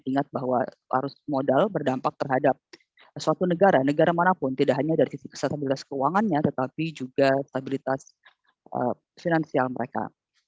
ingat bahwa arus modal berdampak terhadap suatu negara negara manapun tidak hanya dari sisi kesatabilitas keuangannya tetapi juga stabilitas finansial mereka